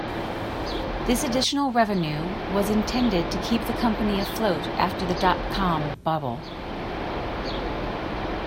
This additional revenue was intended to keep the company afloat after the dot-com bubble.